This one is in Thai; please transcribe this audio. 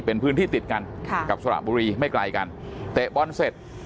เป็นพื้นที่ติดกันค่ะกับสระบุรีไม่ไกลกันเตะบอลเสร็จ